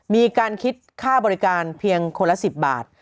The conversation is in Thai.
มีการคิดค่าบริการเพียงคนละ๑๐บาท